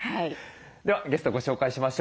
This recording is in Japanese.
ではゲストをご紹介しましょう。